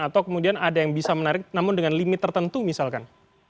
atau kemudian ada yang bisa menarik namun dengan limit tertentu misalkan